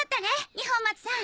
二本松さん。